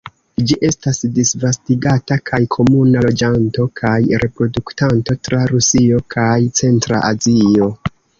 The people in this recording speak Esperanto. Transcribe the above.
Ĝi estas disvastigata kaj komuna loĝanto kaj reproduktanto tra Rusio kaj centra Azio.